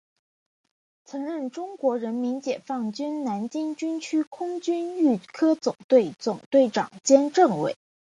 曾任中国人民解放军南京军区空军预科总队总队长兼政委。